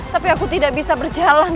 tapi aku tidak bisa berjalan